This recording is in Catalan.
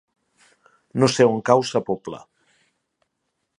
No sé on cau Sa Pobla.